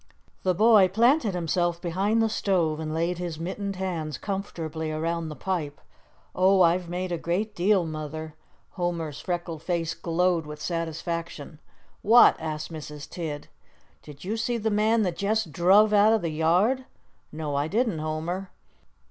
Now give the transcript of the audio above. The boy planted himself behind the stove and laid his mittened hands comfortably around the pipe. "Oh, I've made a great deal, Mother." Homer's freckled face glowed with satisfaction. "What?" asked Mrs. Tidd. "Did you see the man that jest druv out o' the yard?" "No, I didn't, Homer."